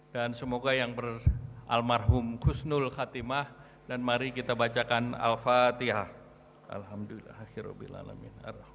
dan semoga yang beralmarhum khusnul khatimah dan mari kita bacakan al fatihah